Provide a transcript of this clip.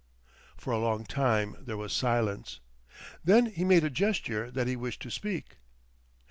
For a long time there was silence. Then he made a gesture that he wished to speak.